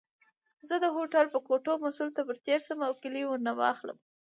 زه د هوټل د کوټو مسؤل ته ورتېر شم او کیلۍ ورنه واخلم.